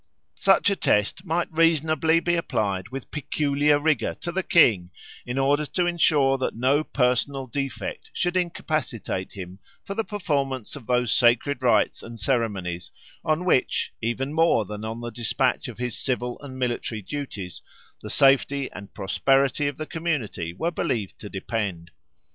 Such a test might reasonably be applied with peculiar rigour to the king in order to ensure that no personal defect should incapacitate him for the performance of those sacred rites and ceremonies on which, even more than on the despatch of his civil and military duties, the safety and prosperity of the community were believed to depend.